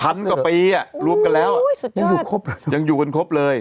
พันกว่าปีรูปกันแล้วยังอยู่กันครบเลย